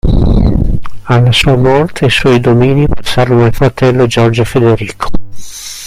Alla sua morte, i suoi domini passarono al fratello Giorgio Federico.